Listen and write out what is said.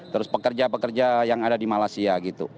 terus pekerja pekerja yang ada di malaysia gitu